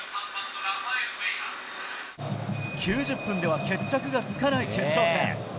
９０分では決着がつかない決勝戦。